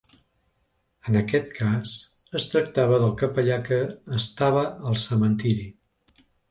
En aquest cas es tractava del capellà que estava al cementeri.